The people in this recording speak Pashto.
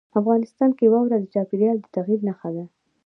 افغانستان کې واوره د چاپېریال د تغیر نښه ده.